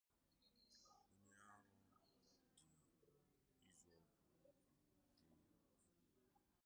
onye Arọndịizuọgụ dere